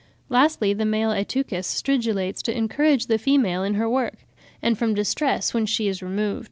Lastly, the male Ateuchus stridulates to encourage the female in her work, and from distress when she is removed.